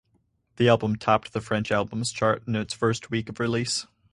The album topped the French Albums Chart in its first week of release.